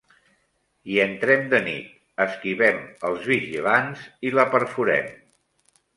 Hi entrem de nit, esquivem els vigilants i la perforem.